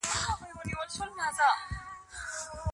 افغانان د نړیوالو بشري قوانینو د زده کړې مخالفت نه کوي.